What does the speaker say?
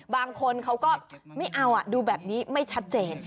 บางคนเขาก็ไม่เอาดูแบบนี้ไม่ชัดเจน